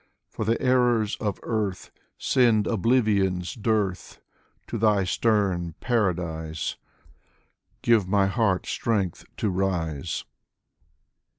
For the errors of earth Send oblivion's dearth ; To thy stern paradise Give my heart strength to rise.